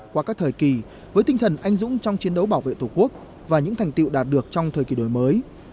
qua các thời kỳ với tinh thần anh dũng trong chiến đấu bảo vệ tổ quốc và những thành tiệu đạt được trong thời kỳ đổi mới